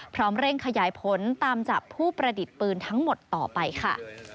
พร้อมเร่งขยายผลตามจับผู้ประดิษฐ์ปืนทั้งหมดต่อไปค่ะ